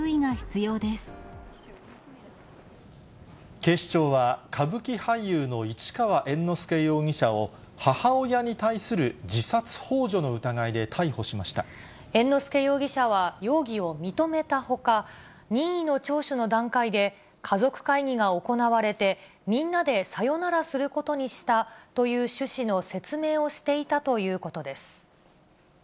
警視庁は、歌舞伎俳優の市川猿之助容疑者を、母親に対する自殺ほう助の疑いで猿之助容疑者は容疑を認めたほか、任意の聴取の段階で、家族会議が行われて、みんなでさよならすることにしたという趣旨の説明をしていたということです。